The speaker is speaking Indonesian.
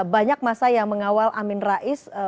banyak masa yang mengawal amin rais